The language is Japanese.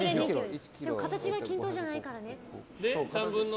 形が均等じゃないからね。